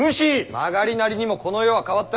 曲がりなりにもこの世は変わった。